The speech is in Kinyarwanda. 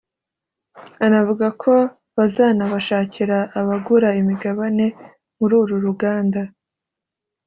Anavuga ko bazanabashakira abagura imigabane muri uru ruganda